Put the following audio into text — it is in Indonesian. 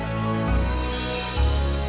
memang menyuruhku unc paeng